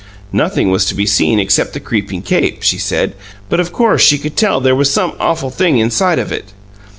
Nothing was to be seen except the creeping cape, she said, but, of course, she could tell there was some awful thing inside of it.